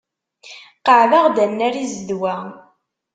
Qeɛd-aɣ-d annar i zzedwa.